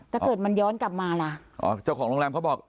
ถ้าเกิดมันย้อนกลับมาล่ะอ๋อเจ้าของโรงแรมเขาบอก